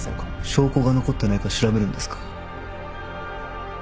証拠が残ってないか調べるんですか？